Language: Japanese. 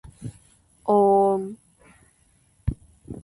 おーん